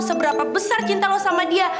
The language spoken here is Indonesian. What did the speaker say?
seberapa besar cinta lo sama dia